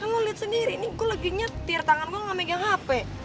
aku liat sendiri nih gue lagi nyetir tangan gue gak megang hp